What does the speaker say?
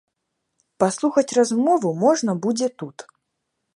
Паслухаць размову можна будзе тут.